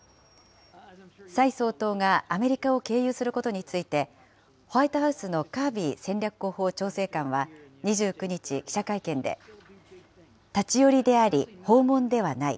蔡総統がアメリカを経由することについて、ホワイトハウスのカービー戦略広報調整官は２９日、記者会見で立ち寄りであり、訪問ではない。